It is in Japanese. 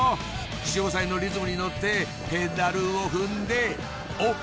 潮騒のリズムに乗ってペダルを踏んでおっ！